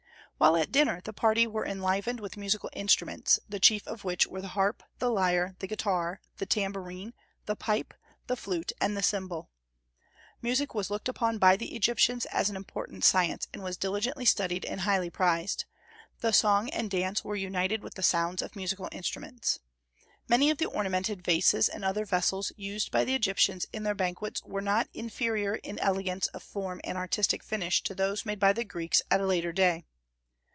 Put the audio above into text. While at dinner the party were enlivened with musical instruments, the chief of which were the harp, the lyre, the guitar, the tambourine, the pipe, the flute, and the cymbal. Music was looked upon by the Egyptians as an important science, and was diligently studied and highly prized; the song and the dance were united with the sounds of musical instruments. Many of the ornamented vases and other vessels used by the Egyptians in their banquets were not inferior in elegance of form and artistic finish to those made by the Greeks at a later day.